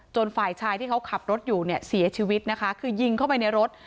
ฝ่ายชายที่เขาขับรถอยู่เนี่ยเสียชีวิตนะคะคือยิงเข้าไปในรถ